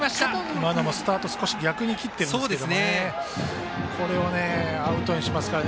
今のもスタート少し逆に切ってるんですがここをアウトにしますから。